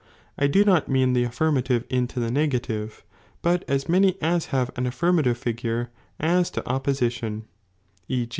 I do not mean the MMhi^' ""' afflfniative into the negative, but as many as have an affirmative figure, as to opposition ; e.